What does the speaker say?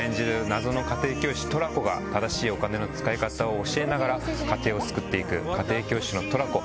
謎の家庭教師トラコが正しいお金の使い方を教えながら家庭を救って行く『家庭教師のトラコ』。